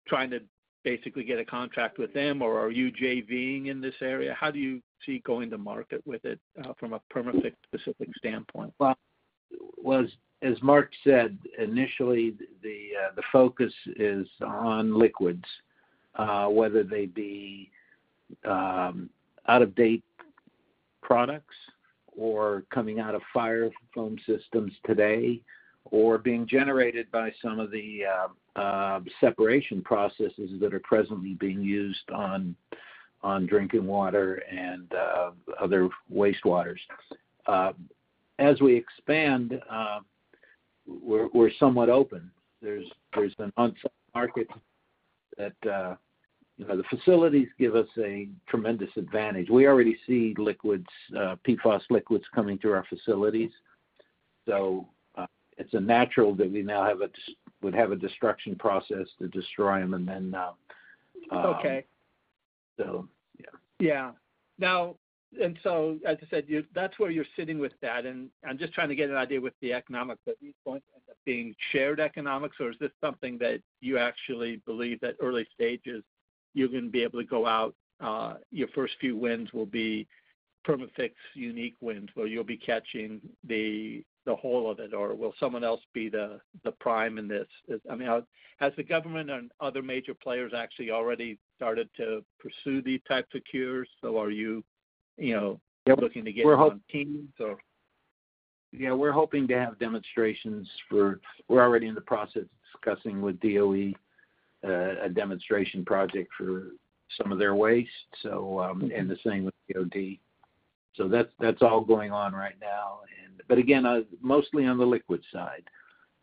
trying to basically get a contract with them? Or are you JVing in this area? How do you see going to market with it from a Perma-Fix specific standpoint? Well, as Mark said, initially, the focus is on liquids, whether they be out-of-date products or coming out of fire foam systems today or being generated by some of the separation processes that are presently being used on drinking water and other wastewaters. As we expand, we're somewhat open. There's an on-site market that the facilities give us a tremendous advantage. We already see PFAS liquids coming through our facilities. So it's natural that we now would have a destruction process to destroy them and then. Okay. So yeah. Yeah. And so, as I said, that's where you're sitting with that. And I'm just trying to get an idea with the economics. Are these going to end up being shared economics? Or is this something that you actually believe that early stages, you're going to be able to go out? Your first few wins will be Perma-Fix unique wins where you'll be catching the whole of it? Or will someone else be the prime in this? I mean, has the government and other major players actually already started to pursue these types of cures? So are you looking to get it on teams, or? Yeah. We're hoping to have demonstrations. We're already in the process discussing with DOE a demonstration project for some of their waste, and the same with DOD. So that's all going on right now. But again, mostly on the liquid side.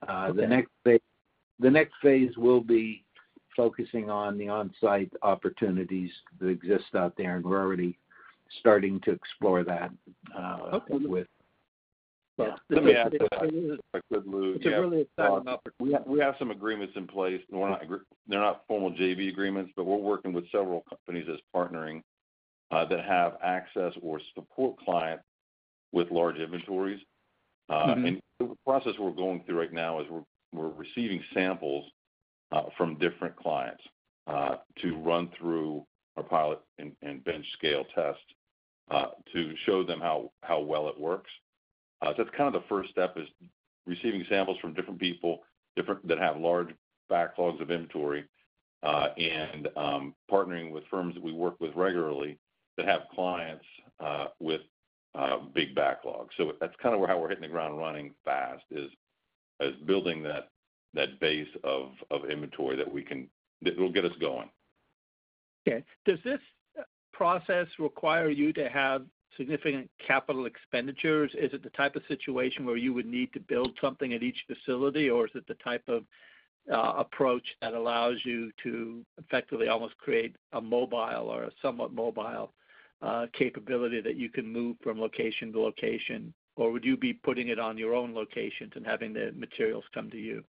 The next phase will be focusing on the on-site opportunities that exist out there. We're already starting to explore that with. Let me ask a question. Good, Lou. Yeah. We have some agreements in place. They're not formal JV agreements, but we're working with several companies as partnering that have access or support clients with large inventories. And the process we're going through right now is we're receiving samples from different clients to run through our pilot and bench-scale test to show them how well it works. So that's kind of the first step, is receiving samples from different people that have large backlogs of inventory and partnering with firms that we work with regularly that have clients with big backlogs. So that's kind of how we're hitting the ground running fast, is building that base of inventory that will get us going. Okay. Does this process require you to have significant capital expenditures? Is it the type of situation where you would need to build something at each facility? Or is it the type of approach that allows you to effectively almost create a mobile or a somewhat mobile capability that you can move from location to location? Or would you be putting it on your own locations and having the materials come to you?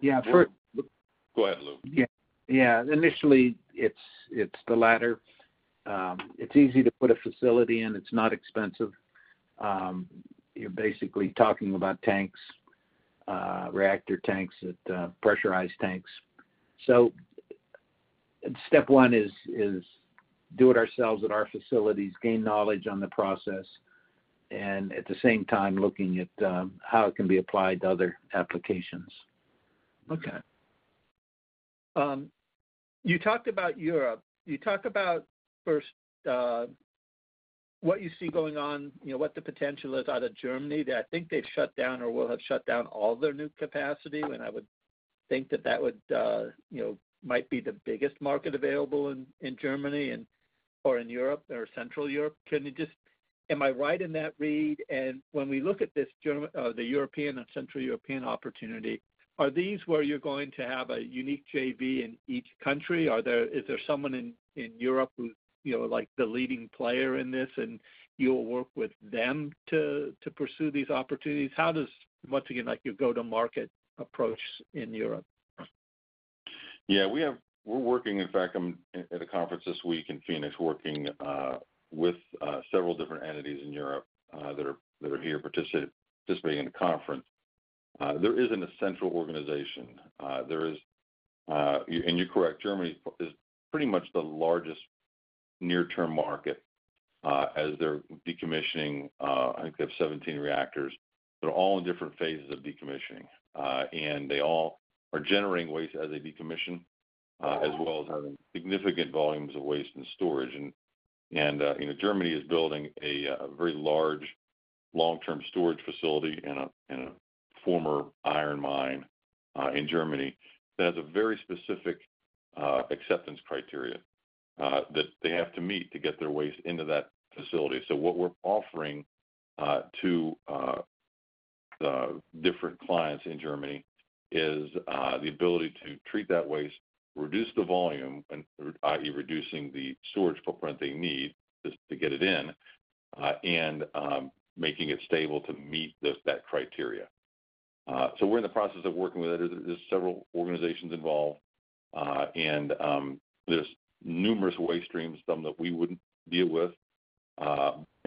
Yeah. Go ahead, Lou. Yeah. Initially, it's the latter. It's easy to put a facility in. It's not expensive. You're basically talking about tanks, reactor tanks, pressurized tanks. So step one is do it ourselves at our facilities, gain knowledge on the process, and at the same time, looking at how it can be applied to other applications. Okay. You talked about Europe. You talk about, first, what you see going on, what the potential is out of Germany. I think they've shut down or will have shut down all their new capacity. And I would think that that might be the biggest market available in Germany or in Europe or Central Europe. Am I right in that read? And when we look at the European and Central European opportunity, are these where you're going to have a unique JV in each country? Is there someone in Europe who's the leading player in this, and you'll work with them to pursue these opportunities? How does, once again, your go-to-market approach in Europe? Yeah. We're working. In fact, I'm at a conference this week in Phoenix working with several different entities in Europe that are here participating in the conference. There isn't a central organization. And you're correct. Germany is pretty much the largest near-term market as they're decommissioning. I think they have 17 reactors. They're all in different phases of decommissioning. And they all are generating waste as they decommission as well as having significant volumes of waste in storage. And Germany is building a very large long-term storage facility in a former iron mine in Germany that has a very specific acceptance criteria that they have to meet to get their waste into that facility. So what we're offering to the different clients in Germany is the ability to treat that waste, reduce the volume, i.e., reducing the storage footprint they need to get it in, and making it stable to meet that criteria. So we're in the process of working with it. There's several organizations involved. And there's numerous waste streams, some that we wouldn't deal with.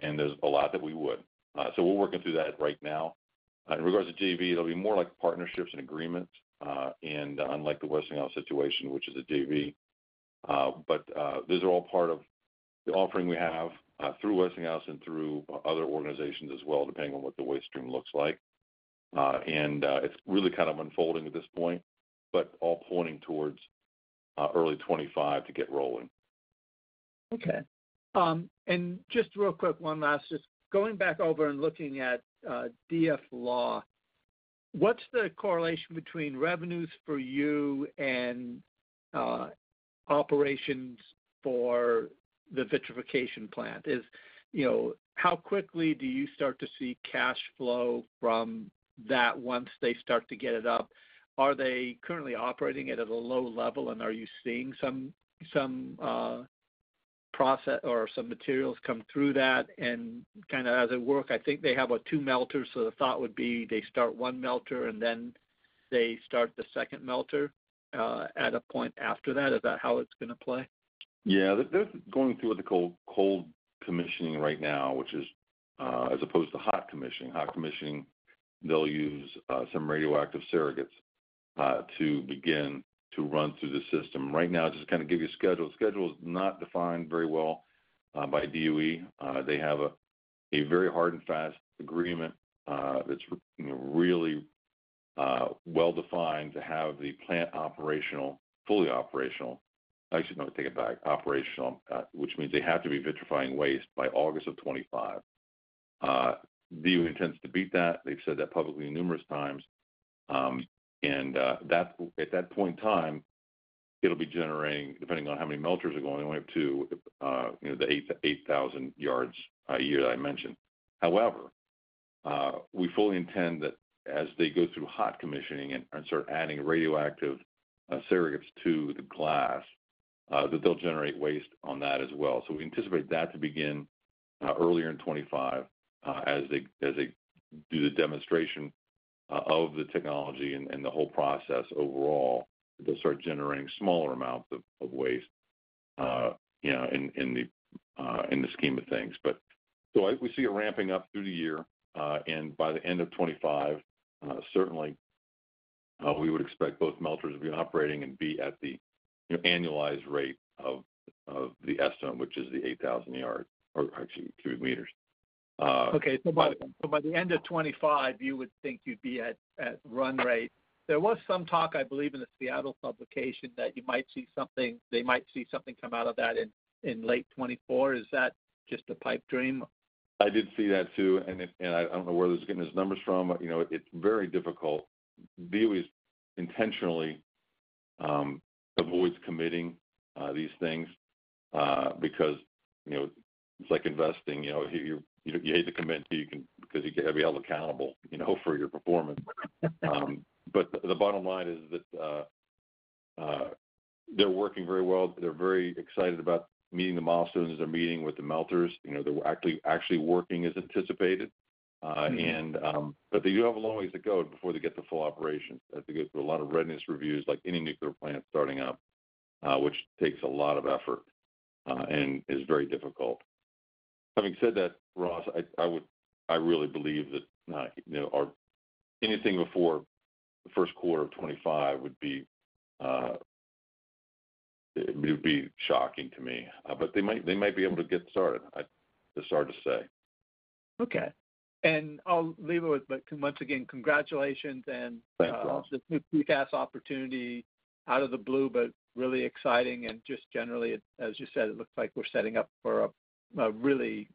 And there's a lot that we would. So we're working through that right now. In regards to JV, it'll be more like partnerships and agreements, and unlike the Westinghouse situation, which is a JV. But these are all part of the offering we have through Westinghouse and through other organizations as well, depending on what the waste stream looks like. And it's really kind of unfolding at this point, but all pointing towards early 2025 to get rolling. Okay. And just real quick, one last. Just going back over and looking at DFLAW, what's the correlation between revenues for you and operations for the vitrification plant? How quickly do you start to see cash flow from that once they start to get it up? Are they currently operating it at a low level? And are you seeing some process or some materials come through that? And kind of as it work, I think they have two melters. So the thought would be they start one melter, and then they start the second melter at a point after that. Is that how it's going to play? Yeah. They're going through what they call cold commissioning right now, which is as opposed to Hot Commissioning. Hot Commissioning, they'll use some radioactive surrogates to begin to run through the system. Right now, just to kind of give you a schedule, the schedule is not defined very well by DOE. They have a very hard and fast agreement that's really well defined to have the plant fully operational. Actually, no. Take it back. Operational, which means they have to be vitrifying waste by August of 2025. DOE intends to beat that. They've said that publicly numerous times. And at that point in time, it'll be generating, depending on how many melters are going, they only have two, the 8,000 yards a year that I mentioned. However, we fully intend that as they go through Hot Commissioning and start adding radioactive surrogates to the glass, that they'll generate waste on that as well. So we anticipate that to begin earlier in 2025 as they do the demonstration of the technology and the whole process overall. They'll start generating smaller amounts of waste in the scheme of things. So we see it ramping up through the year. And by the end of 2025, certainly, we would expect both melters to be operating and be at the annualized rate of the estimate, which is the 8,000 yards or actually, cubic meters. Okay. So by the end of 2025, you would think you'd be at run rate. There was some talk, I believe, in the Seattle publication that you might see something. They might see something come out of that in late 2024. Is that just a pipe dream? I did see that too. I don't know where they're getting those numbers from, but it's very difficult. DOE intentionally avoids committing these things because it's like investing. You hate to commit until you can because you have to be held accountable for your performance. The bottom line is that they're working very well. They're very excited about meeting the milestones they're meeting with the melters. They're actually working as anticipated. They do have a long ways to go before they get to full operation. They have to go through a lot of readiness reviews like any nuclear plant starting up, which takes a lot of effort and is very difficult. Having said that, Ross, I really believe that anything before the first quarter of 2025 would be shocking to me. They might be able to get started. It's hard to say. Okay. And I'll leave it with, once again, congratulations and. Thanks, Ross. This new PFAS opportunity out of the blue, but really exciting. And just generally, as you said, it looks like we're setting up for a really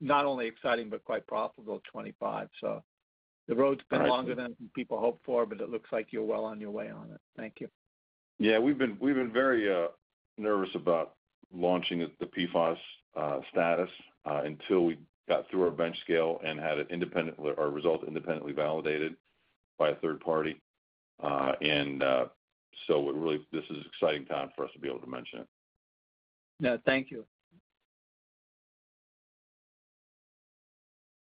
not only exciting but quite profitable 2025. So the road's been longer than people hoped for, but it looks like you're well on your way on it. Thank you. Yeah. We've been very nervous about launching the PFAS status until we got through our bench scale and had our results independently validated by a third party. And so this is an exciting time for us to be able to mention it. No. Thank you.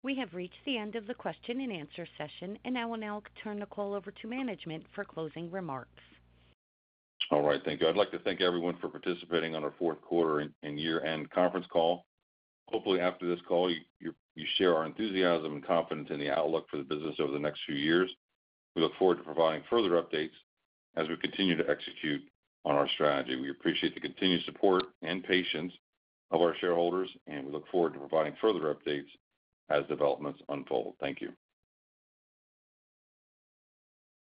We have reached the end of the question-and-answer session. And now, I'll turn the call over to management for closing remarks. All right. Thank you. I'd like to thank everyone for participating on our fourth quarter and year-end conference call. Hopefully, after this call, you share our enthusiasm and confidence in the outlook for the business over the next few years. We look forward to providing further updates as we continue to execute on our strategy. We appreciate the continued support and patience of our shareholders. We look forward to providing further updates as developments unfold. Thank you.